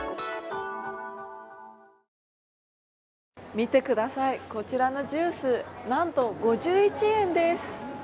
見てください、こちらのジュース、なんと５１円です！